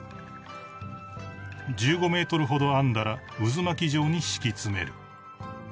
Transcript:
［１５ｍほど編んだら渦巻き状に敷き詰める］